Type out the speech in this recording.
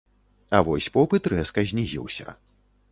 А вось попыт рэзка знізіўся.